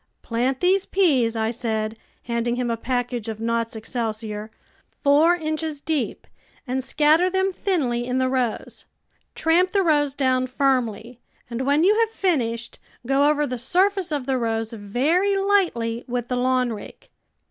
" Plant these peas," I said, handing him a package of Nott's Excelsior, " four inches deep and scatter them thinly in the rows. Tram J) the rows down firmly, and when you have finished, go over the surface of the rows very lightly with the lawn rake.